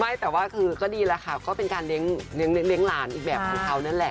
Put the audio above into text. ไม่แต่ว่าคือก็ดีแล้วค่ะก็เป็นการเลี้ยงหลานอีกแบบของเขานั่นแหละ